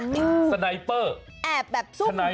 ฮะอืมสไนเปอร์แอบแบบซุ้ม